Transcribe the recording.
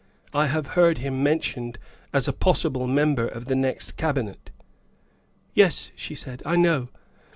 I have heard him mentioned as a possible member of the next Cabinet. ''" Yes," she said, " I know.